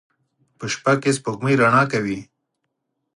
په شپه کې سپوږمۍ رڼا کوي